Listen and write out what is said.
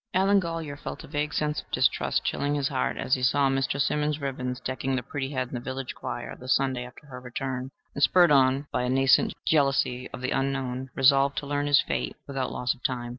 Allen Golyer felt a vague sense of distrust chilling his heart as he saw Mr. Simmons' ribbons decking the pretty head in the village choir the Sunday after her return, and, spurred on by a nascent jealousy of the unknown, resolved to learn his fate without loss of time.